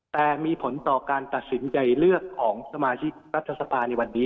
แต่มีผลต่อการตัดสินใจเลือกของสมาชิกรัฐสภาในวันนี้